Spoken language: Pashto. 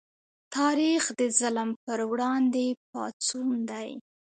تاریخ د ظلم پر وړاندې پاڅون دی.